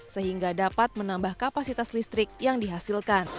sehingga dapat menambah kapasitas listrik yang dihasilkan